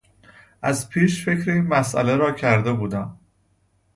از پیش فکر این مسئله را کرده بودم.